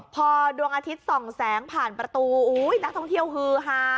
พอดวงอาทิตย์ส่องแสงผ่านประตูอุ้ยนักท่องเที่ยวฮือฮา